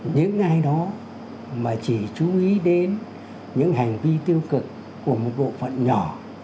những ai đó mà chỉ chú ý đến những hành vi tiêu cực của một bộ phận nhỏ